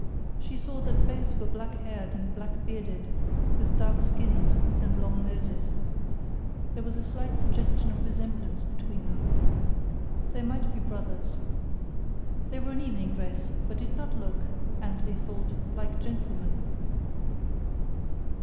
She saw that both were black haired and black bearded, with dark skins and long noses. There was a slight suggestion of resemblance between them. They might be brothers. They were in evening dress, but did not look, Annesley thought, like gentlemen.